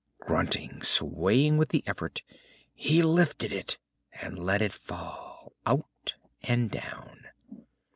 Grunting, swaying with the effort, he lifted it and let it fall, out and down.